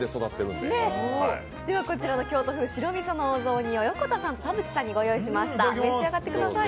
では、この京都風・白みそのお雑煮を田渕さんにご用意しました。